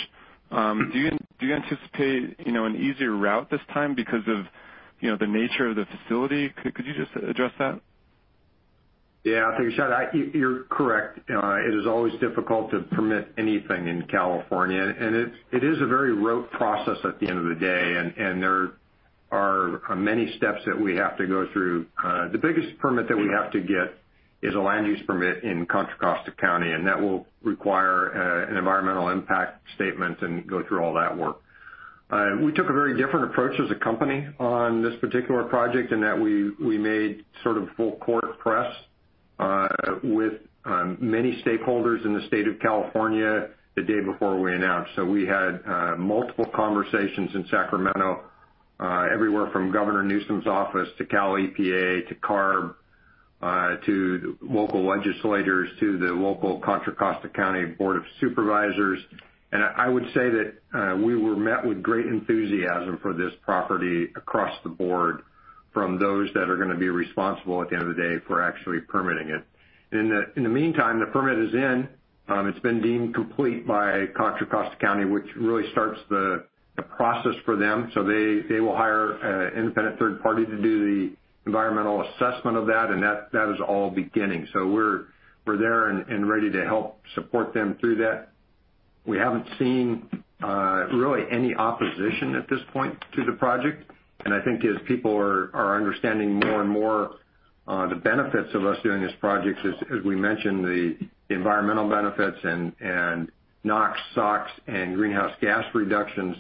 Do you anticipate an easier route this time because of the nature of the facility? Could you just address that? Yeah. I think so. You're correct. It is always difficult to permit anything in California, and it is a very rote process at the end of the day, and there are many steps that we have to go through. The biggest permit that we have to get is a land use permit in Contra Costa County, and that will require an environmental impact statement and go through all that work. We took a very different approach as a company on this particular project in that we made sort of full court press with many stakeholders in the state of California the day before we announced. We had multiple conversations in Sacramento, everywhere from Governor Newsom's office to CalEPA to CARB, to local legislators, to the local Contra Costa County Board of Supervisors. I would say that we were met with great enthusiasm for this property across the board from those that are going to be responsible at the end of the day for actually permitting it. In the meantime, the permit is in. It's been deemed complete by Contra Costa County, which really starts the process for them. They will hire an independent third party to do the environmental assessment of that, and that is all beginning. We're there and ready to help support them through that. We haven't seen really any opposition at this point to the project, and I think as people are understanding more and more the benefits of us doing this project, as we mentioned, the environmental benefits and NOx, SOx, and greenhouse gas reductions,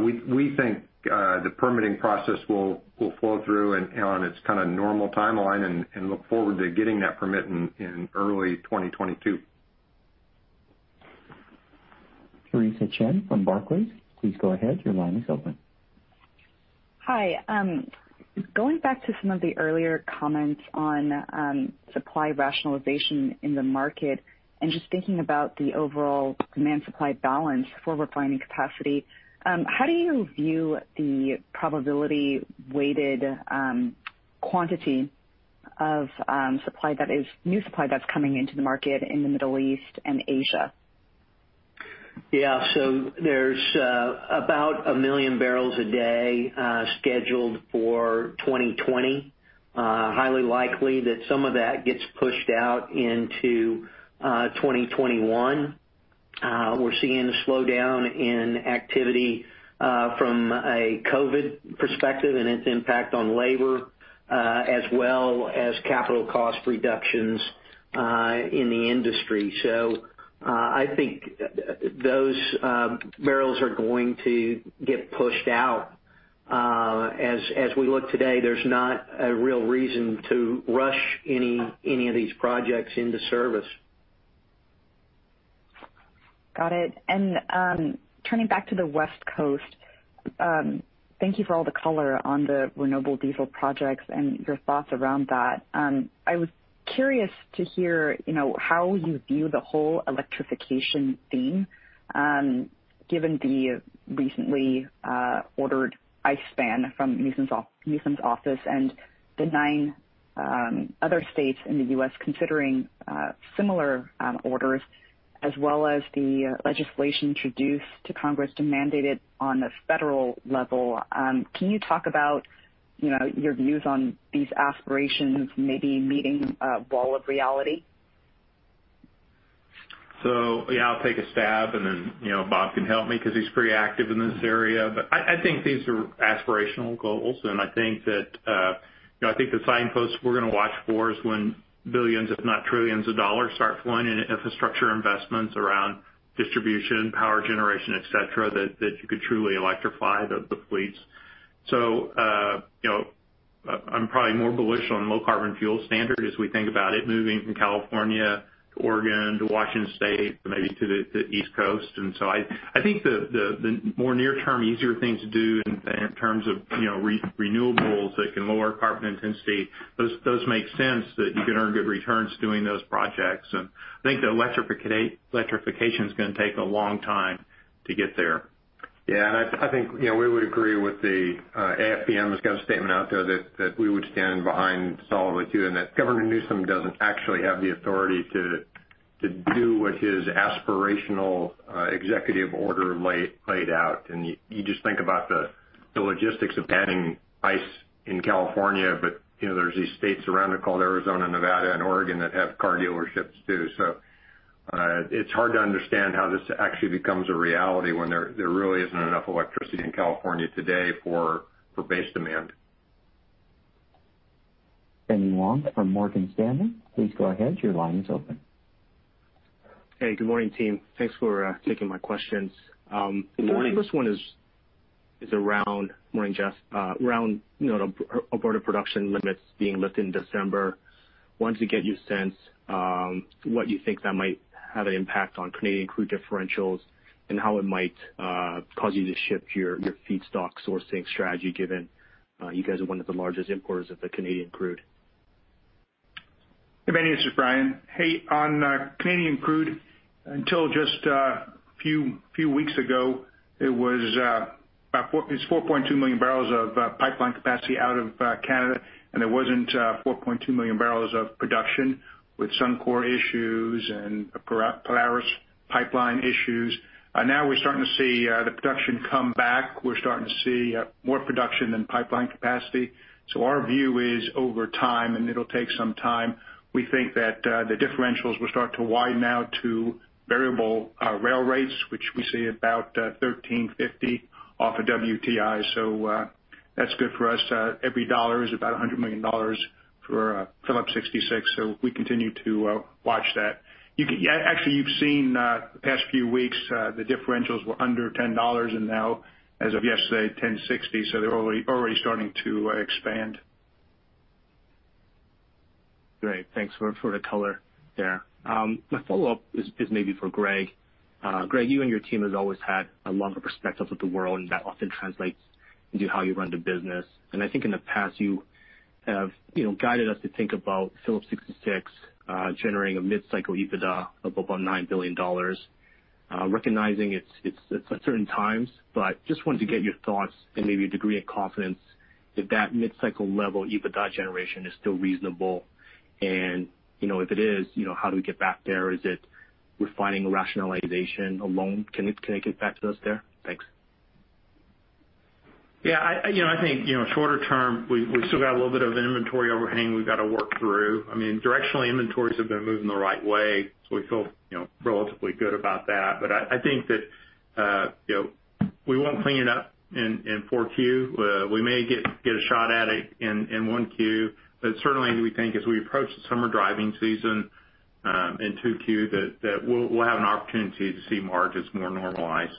we think the permitting process will flow through on its kind of normal timeline and look forward to getting that permit in early 2022. Theresa Chen from Barclays, please go ahead. Your line is open. Hi. Going back to some of the earlier comments on supply rationalization in the market and just thinking about the overall demand-supply balance for refining capacity, how do you view the probability-weighted quantity of new supply that's coming into the market in the Middle East and Asia? Yeah. There's about a million barrels a day scheduled for 2020. Highly likely that some of that gets pushed out into 2021. We're seeing a slowdown in activity from a COVID perspective and its impact on labor, as well as capital cost reductions in the industry. I think those barrels are going to get pushed out. As we look today, there's not a real reason to rush any of these projects into service. Got it. Turning back to the West Coast, thank you for all the color on the renewable diesel projects and your thoughts around that. I was curious to hear how you view the whole electrification theme, given the recently ordered ICE ban from Newsom's office and the nine other states in the U.S. considering similar orders as well as the legislation introduced to Congress to mandate it on the federal level. Can you talk about your views on these aspirations maybe meeting a wall of reality? Yeah, I'll take a stab, and then Bob can help me because he's pretty active in this area. I think these are aspirational goals, and I think the signpost we're going to watch for is when billions, if not trillions, of dollars start flowing into infrastructure investments around distribution, power generation, et cetera, that you could truly electrify the fleets. I'm probably more bullish on low carbon fuel standard as we think about it moving from California to Oregon to Washington State, maybe to the East Coast. I think the more near term, easier things to do in terms of renewables that can lower carbon intensity, those make sense that you can earn good returns doing those projects. I think the electrification is going to take a long time to get there. Yeah. I think we would agree with the AFPM has got a statement out there that we would stand behind solidly, too, and that Governor Newsom doesn't actually have the authority to do what his aspirational executive order laid out. You just think about the logistics of banning ICE in California. There's these states around it called Arizona, Nevada, and Oregon that have car dealerships, too. It's hard to understand how this actually becomes a reality when there really isn't enough electricity in California today for base demand. Benny Wong from Morgan Stanley, please go ahead. Hey, good morning, team. Thanks for taking my questions. Good morning. The first one is around... Morning, Jeff. Around Alberta production limits being lifted in December. Wanted to get your sense what you think that might have an impact on Canadian crude differentials and how it might cause you to shift your feedstock sourcing strategy, given you guys are one of the largest importers of the Canadian crude. Hey, Benny, this is Brian. Hey, on Canadian crude, until just a few weeks ago, it's 4.2 million barrels of pipeline capacity out of Canada, it wasn't 4.2 million barrels of production, with Suncor issues and Polaris pipeline issues. Now we're starting to see the production come back. We're starting to see more production than pipeline capacity. Our view is over time, and it'll take some time, we think that the differentials will start to widen out to variable rail rates, which we see about $13.50 off of WTI. That's good for us. Every dollar is about $100 million for Phillips 66. We continue to watch that. Actually, you've seen the past few weeks, the differentials were under $10, now as of yesterday, $10.60. They're already starting to expand. Great. Thanks for the color there. My follow-up is maybe for Greg. Greg, you and your team have always had a longer perspective of the world, and that often translates into how you run the business. I think in the past, you have guided us to think about Phillips 66 generating a mid-cycle EBITDA of about $9 billion, recognizing it's at certain times. Just wanted to get your thoughts and maybe a degree of confidence if that mid-cycle level EBITDA generation is still reasonable. If it is, how do we get back there? Is it refining rationalization alone? Can it get back to us there? Thanks. I think shorter term, we've still got a little bit of inventory overhang we've got to work through. Directionally, inventories have been moving the right way, so we feel relatively good about that. I think that we won't clean it up in Q4. We may get a shot at it in 1Q, but certainly we think as we approach the summer driving season in 2Q, that we'll have an opportunity to see margins more normalized.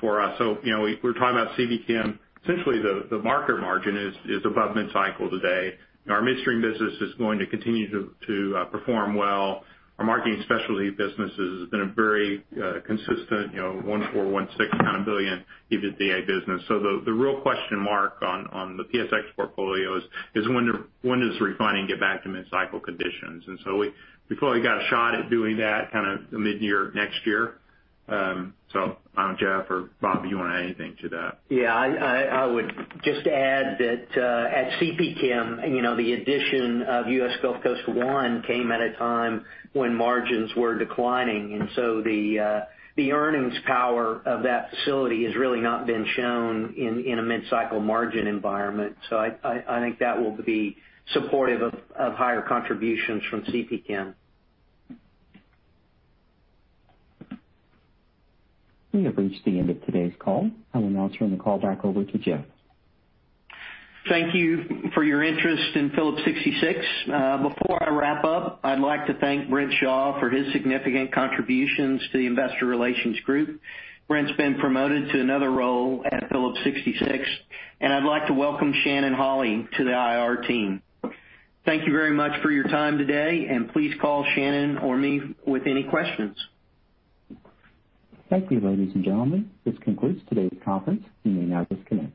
For us, so we're talking about CPChem, essentially the market margin is above mid-cycle today. Our midstream business is going to continue to perform well. Our marketing specialty business has been a very consistent $1.4 billion, $1.6 billion EBITDA business. The real question mark on the PSX portfolio is when does refining get back to mid-cycle conditions? We probably got a shot at doing that mid-year next year. Jeff or Bob, you want to add anything to that? Yeah, I would just add that at CPChem, the addition of US Gulf Coast One came at a time when margins were declining, and so the earnings power of that facility has really not been shown in a mid-cycle margin environment. I think that will be supportive of higher contributions from CPChem. We have reached the end of today's call. I will now turn the call back over to Jeff. Thank you for your interest in Phillips 66. Before I wrap up, I'd like to thank Brent Shaw for his significant contributions to the investor relations group. Brent's been promoted to another role at Phillips 66, and I'd like to welcome Shannon Holy to the IR team. Thank you very much for your time today, and please call Shannon or me with any questions. Thank you, ladies and gentlemen. This concludes today's conference. You may now disconnect.